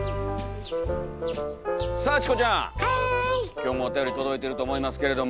今日もおたより届いてると思いますけれども。